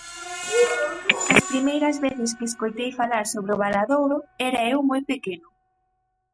As primeiras veces que escoitei falar sobre O Valadouro era eu moi pequeno.